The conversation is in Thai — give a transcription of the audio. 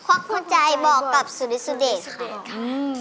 ควักหัวใจบอกกับสุดิสุเด็จค่ะ